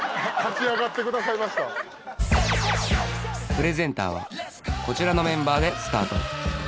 プレゼンターはこちらのメンバーでスタート